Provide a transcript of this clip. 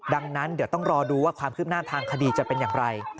ดังนั้นเดี๋ยวต้องรอดูว่าความคืบหน้าทางคดีจะเป็นอย่างไร